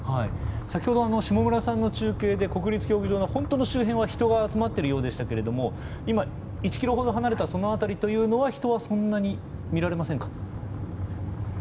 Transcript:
先ほど、下村さんの中継で国立競技場の本当の周辺は人が集まっているようでしたが今、１ｋｍほど離れた辺りというのは人はそんなに見られませんか。